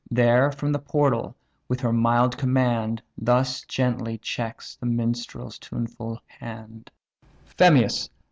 There from the portal, with her mild command, Thus gently checks the minstrel's tuneful hand: "Phemius!